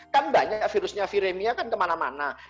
kan banyak virusnya viremia kan kemana mana